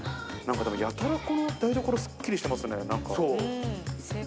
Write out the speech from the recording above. でもやたらこの台所、すっきりしてますね、なんか。